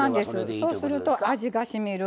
そうすると味がしみる。